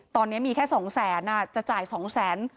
ตอนนี้มีแค่สองแสนจะจ่ายสองแสน